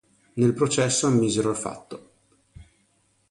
Nel processo ammisero il fatto.